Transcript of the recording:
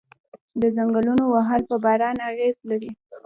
د ځنګلونو وهل په باران اغیز لري؟